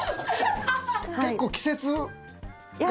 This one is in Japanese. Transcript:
結構季節柄。